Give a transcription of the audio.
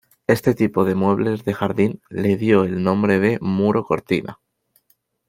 Este tipo de muebles de jardín, le dio el nombre de muro cortina.